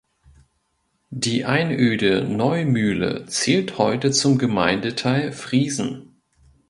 Die Einöde Neumühle zählt heute zum Gemeindeteil Friesen.